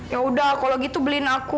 yaudah kalau gitu beliin aku